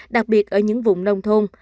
đặc biệt ở những vùng nông thôn